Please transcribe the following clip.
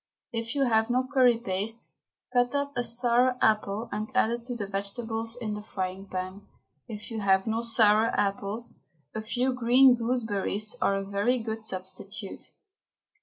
If you have no curry paste, cut up a sour apple and add it to the vegetables in the frying pan. If you have no sour apples, a few green gooseberries are a very good substitute.